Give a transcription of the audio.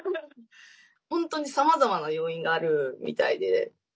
本当に、さまざまな要因があるみたいで。